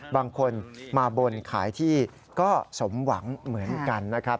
บางคนมาบนขายที่ก็สมหวังเหมือนกันนะครับ